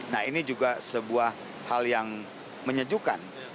nah ini juga sebuah hal yang menyejukkan